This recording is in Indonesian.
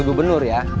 pertama sekali ya